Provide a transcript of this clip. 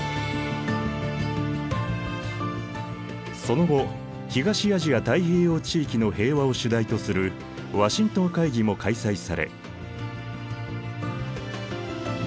その後東アジア太平洋地域の平和を主題とするワシントン会議も開催され。